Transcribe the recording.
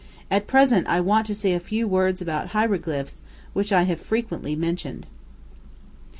At present I want to say a few words about hieroglyphs, which I have frequently mentioned.